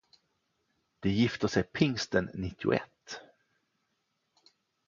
De gifter sig pingsten nittioett.